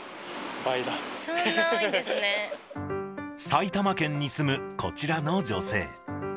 埼玉県に住むこちらの女性。